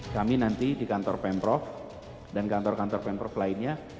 kami nanti di kantor pemprov dan kantor kantor pemprov lainnya